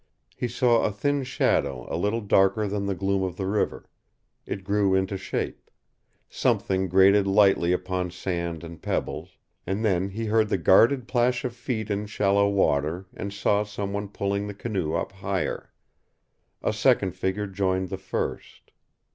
He saw a thin shadow a little darker than the gloom of the river; it grew into shape; something grated lightly upon sand and pebbles, and then he heard the guarded plash of feet in shallow water and saw some one pulling the canoe up higher. A second figure joined the first.